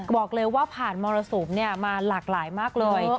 บอกเลยว่าผ่านมรสุมมาหลากหลายมากเลย